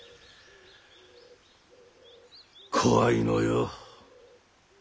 怖いのよ。